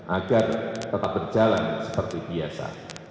agar tetap berjalan seperti biasa